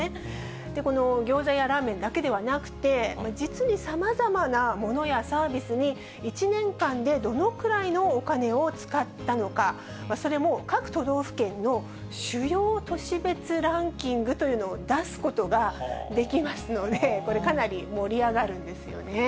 このギョーザやラーメンだけではなくて、実にさまざまなものやサービスに１年間でどのくらいのお金を使ったのか、それも各都道府県の主要都市別ランキングというのを出すことができますので、これかなり、盛り上がるんですよね。